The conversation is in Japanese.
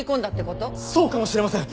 そうかもしれません！